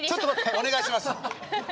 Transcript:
お願いします。